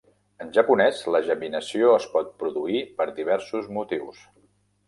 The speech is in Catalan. En japonès, la geminació es pot produir per diversos motius.